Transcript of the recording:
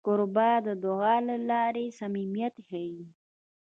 کوربه د دعا له لارې صمیمیت ښيي.